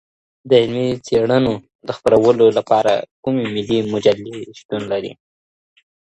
د علمي څیړنو د خپرولو لپاره کومې ملي مجلې شتون لري؟